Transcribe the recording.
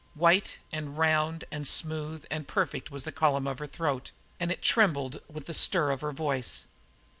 White and round and smooth and perfect was the column of her throat, and it trembled with the stir of her voice.